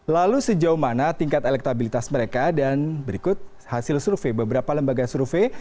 lalu sejauh mana tingkat elektabilitas mereka dan berikut hasil survei beberapa lembaga survei